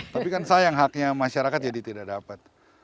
tapi kan sayang haknya masyarakat jadi tidak dapat